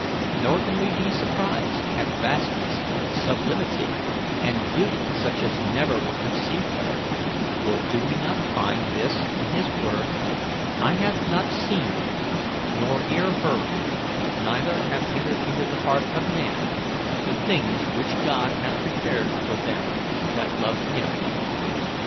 Nor can we be surprised at vastness, sublimity, and beauty such as never was conceived of, for do we not find this in His word, 'Eye hath not seen, nor ear heard, neither have entered into the heart of man, the things which God hath prepared for them that love Him'?